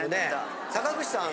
坂口さん